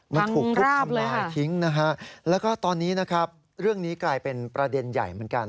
มันถูกทุกคำหมายทิ้งแล้วก็ตอนนี้เรื่องนี้กลายเป็นประเด็นใหญ่เหมือนกัน